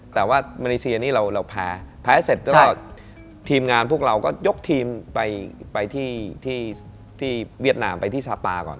แต่ว่ามาเลเซียนี่เราแพ้แพ้เสร็จก็ทีมงานพวกเราก็ยกทีมไปที่เวียดนามไปที่สปาก่อน